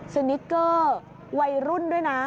สนิกเกอร์วัยรุ่นด้วยนะ